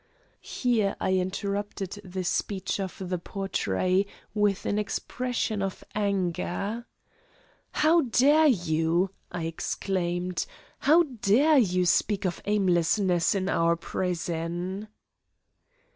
Here I interrupted the speech of the Portrait, with an expression of anger. "How dare you," I exclaimed; "how dare you speak of aimlessness in our prison?"